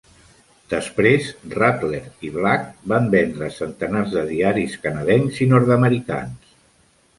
Després, Radler i Black van vendre centenars de diaris canadencs i nord-americans.